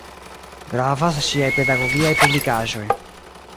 Gravas ŝiaj pedagogiaj publikaĵoj.